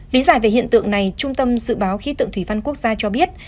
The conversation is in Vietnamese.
lý giải về hiện tượng này trung tâm dự báo khí tượng thủy văn quốc gia cho biết